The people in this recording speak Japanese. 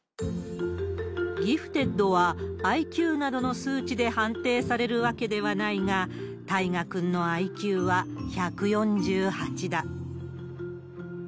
ギフテッドは、ＩＱなどの数値で判定されるわけではないが、大芽くんのＩＱは１４８だ。